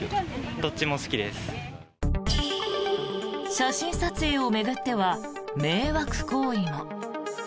写真撮影を巡っては迷惑行為も。